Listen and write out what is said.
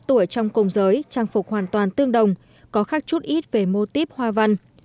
tuổi trong cùng giới trang phục hoàn toàn tương đồng có khác chút ít về mô típ hoa văn